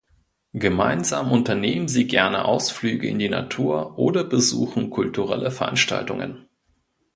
Gemeinsam unternehmen sie gerne Ausflüge in die Natur oder besuchen kulturelle Veranstaltungen.